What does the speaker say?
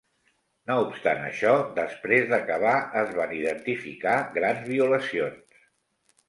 No obstant això, després d'acabar es van identificar grans violacions.